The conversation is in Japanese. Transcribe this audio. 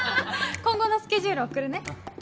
今後のスケジュール送るね